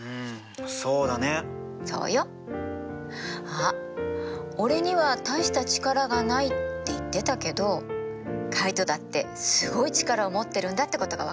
あっ「俺には大した力がない」って言ってたけどカイトだってすごい力を持ってるんだってことが分かったでしょう？